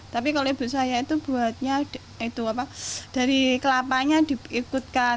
tapi kalau ibu saya itu buatnya dari kelapanya diikutkan